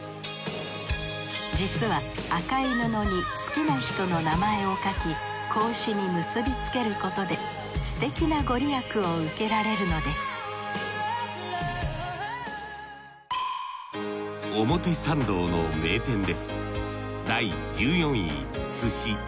実は赤い布に好きな人の名前を書き格子に結びつけることですてきなご利益を受けられるのです表参道の名店です